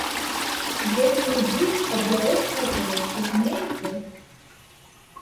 Вельмі любіў, каб яго слухалі, разумееце.